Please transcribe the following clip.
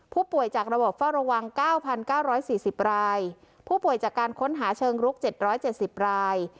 ผู้ป่วยจากระบบเฝ้าระวังเก้าพันเก้าร้อยสี่สิบรายผู้ป่วยจากการค้นหาเชิงลุกเจ็ดร้อยเจ็ดสิบราย